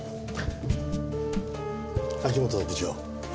秋本部長。